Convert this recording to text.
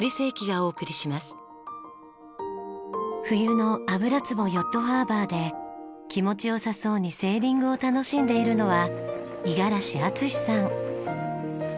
冬の油壺ヨットハーバーで気持ち良さそうにセーリングを楽しんでいるのは五十嵐厚志さん。